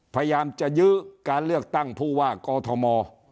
พยายามจะยื้อการเลือกตั้งผู้ว่ากอทม